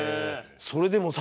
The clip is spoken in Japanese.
それでも。